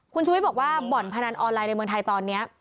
คุณชุวิตบอกว่าบ่อนพนันออนไลน์ในเมืองไทยตอนนี้